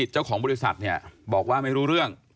เจ้าของบริษัทคุณกิจนี่บอกว่าไม่รู้เรื่อง